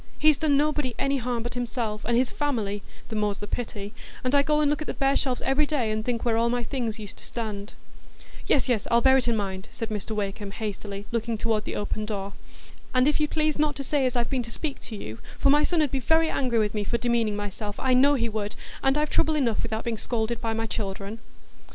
He's done nobody any harm but himself and his family,—the more's the pity,—and I go and look at the bare shelves every day, and think where all my things used to stand." "Yes, yes, I'll bear it in mind," said Mr Wakem, hastily, looking toward the open door. "And if you'd please not to say as I've been to speak to you, for my son 'ud be very angry with me for demeaning myself, I know he would, and I've trouble enough without being scolded by my children."